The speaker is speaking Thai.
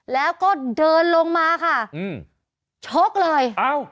แล้วก็เดินลงมาค่ะชกเลย